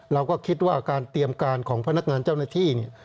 เราก็คิดว่าการเตรียมการของพนักงานเจ้าหน้าที่เนี่ย